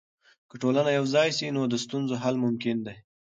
که ټولنه یوځای سي، نو د ستونزو حل ممکن دی.